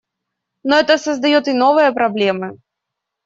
Но это создает и новые проблемы.